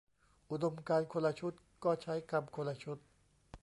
อุดมการณ์คนละชุด ก็ใช้คำคนละชุด